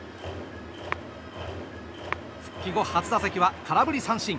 復帰後初打席は空振り三振。